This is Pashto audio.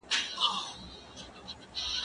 کېدای سي سپينکۍ نم وي!؟